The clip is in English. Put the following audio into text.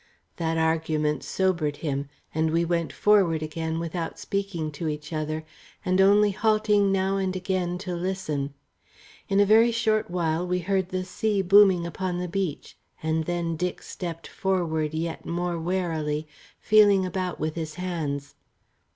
That argument sobered him, and we went forward again without speaking to each other, and only halting now and again to listen. In a very short while we heard the sea booming upon the beach, and then Dick stepped forward yet more warily, feeling about with his hands.